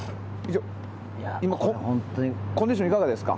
コンディションいかがですか？